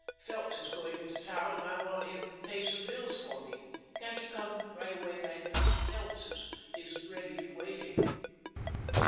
Phelps is going into town, and I want him to pay some bills for me. Can't you come right away, Magnus? Phelps is ready and waiting."